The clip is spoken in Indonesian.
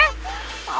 gak ada apa apa